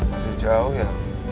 masih jauh ya